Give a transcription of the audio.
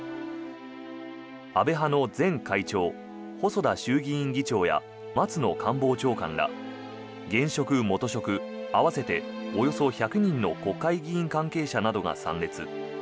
安倍派の前会長細田衆議院議長や松野官房長官ら現職・元職合わせておよそ１００人の国会議員関係者などが参列。